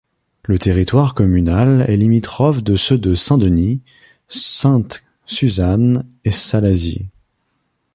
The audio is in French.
Le territoire communal est limitrophe de ceux de Saint-Denis, Sainte-Suzanne et Salazie.